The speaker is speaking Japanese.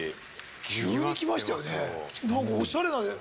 急に来ましたよね。